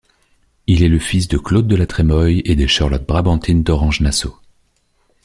Il est le fils de Claude de La Trémoille et de Charlotte-Brabantine d'Orange-Nassau.